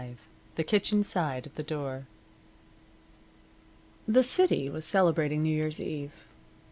V THE KITCHEN SIDE OF THE DOOR The City was celebrating New Year's Eve.